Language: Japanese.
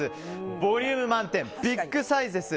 ボリューム満点ビッグサイズです。